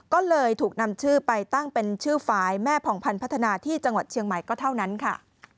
ก็เลยถูกนำชื่อไปตั้งเป็นชื่อฝ่ายแม่ผ่องพันธ์พัฒนาที่จังหวัดเชียงใหม่ก็เท่านั้นค่ะ